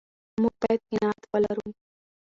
موږ باید قناعت ولرو.